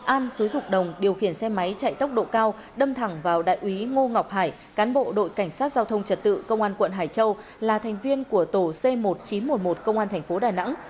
an xúi rục đồng điều khiển xe máy chạy tốc độ cao đâm thẳng vào đại úy ngô ngọc hải cán bộ đội cảnh sát giao thông trật tự công an quận hải châu là thành viên của tổ c một nghìn chín trăm một mươi một công an thành phố đà nẵng